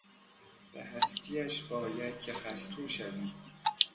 به هستیش باید که خستو شوی